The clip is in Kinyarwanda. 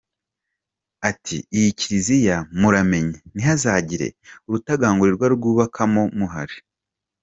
Ati “Iyi kiriziya muramenye ntihazagire urutagangurirwa ruyubakamo muhari”.